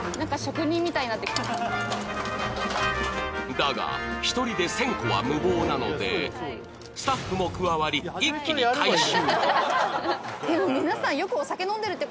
だが、１人で１０００個は無謀なのでスタッフも加わり、一気に回収。